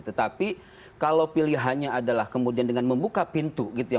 tetapi kalau pilihannya adalah kemudian dengan membuka pintu gitu ya